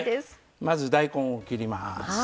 まず大根を切ります。